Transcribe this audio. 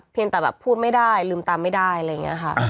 แต่แบบพูดไม่ได้ลืมตามไม่ได้อะไรอย่างนี้ค่ะ